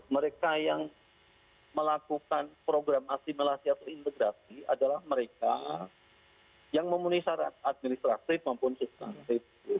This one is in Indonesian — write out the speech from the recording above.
mereka yang melakukan program asimilasi atau integrasi adalah mereka yang memenuhi syarat administratif maupun substantif